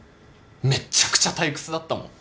めっちゃくちゃ退屈だったもん。